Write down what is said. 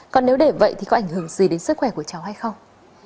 còn nếu để vậy thì có ảnh hưởng gì đến sức khỏe của cháu hay không